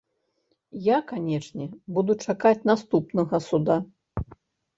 Я, канечне, буду чакаць наступнага суда.